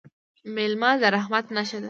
مېلمه د رحمت نښه ده.